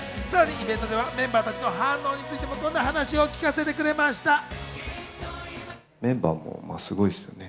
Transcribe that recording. さらにイベントではメンバーたちの反応についてもこんな話を聞かせてくれました。